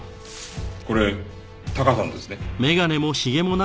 これタカさんですね？